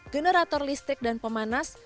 generator listrik dan pemanas